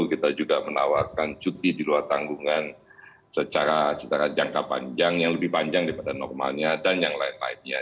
kita juga menawarkan cuti di luar tanggungan secara jangka panjang yang lebih panjang daripada normalnya dan yang lain lainnya